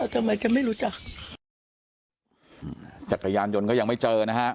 ทำไมจะไม่รู้จักจักรยานยนต์ก็ยังไม่เจอนะฮะ